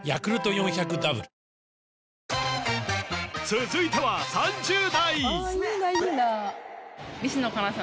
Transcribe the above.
続いては３０代！